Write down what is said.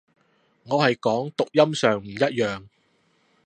我係講讀音上唔一樣